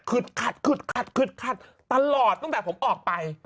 ขัดขึดขัดขึดขัดตลอดตั้งแต่ผมออกไป